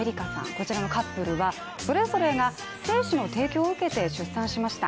こちらのカップルはそれぞれが精子の提供を受けて出産しました。